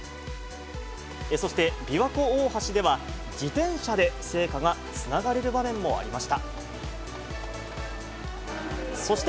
そして琵琶湖大橋では、自転車で聖火がつながれる場面もありました。